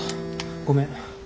ごめん。